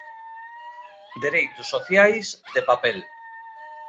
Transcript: Dereitos sociais de papel.